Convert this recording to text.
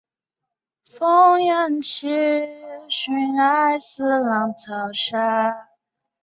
德裔移民也将这个传统带到了英国和美国。